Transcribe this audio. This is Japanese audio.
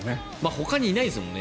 ほかにいないですもんね。